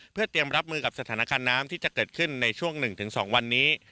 เพื่อเตรียมรับมือกับสถานการณ์น้ำที่จะเกิดขึ้นในช่วง๑๒วันนี้